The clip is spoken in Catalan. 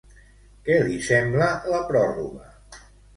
Què li sembla la pròrroga?